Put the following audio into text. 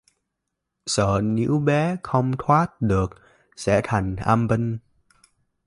Sợ nếu bé không thoát được sẽ thành âm binh